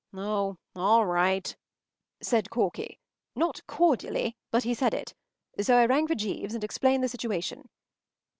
” “Oh, all right,” said Corky. Not cordially, but he said it; so I rang for Jeeves, and explained the situation.